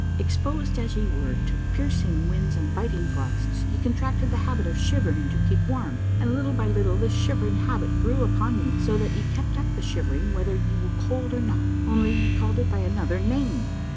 Exposed as ye were to piercing winds and biting frosts, ye contracted the habit of shivering to keep warm, and, little by little, this shivering habit so grew upon you, that ye kept up the shivering whether ye were cold or not ; only ye called it by another name.